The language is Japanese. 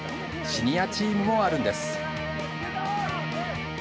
シニアチームもあるんです。